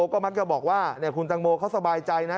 ก็มักจะบอกว่าคุณตังโมเขาสบายใจนะ